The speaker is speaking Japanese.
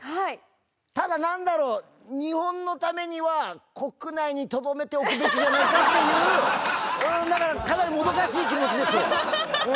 ただ、なんだろう、日本のためには国内にとどめておくべきじゃないかっていう、だから、かなりもどかしい気持ちです。